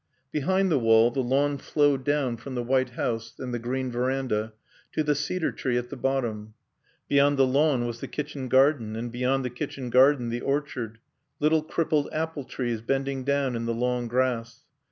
Behind the wall the lawn flowed down from the white house and the green veranda to the cedar tree at the bottom. Beyond the lawn was the kitchen garden, and beyond the kitchen garden the orchard; little crippled apple trees bending down in the long grass.